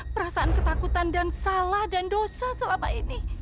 perasaan ketakutan dan salah dan dosa selama ini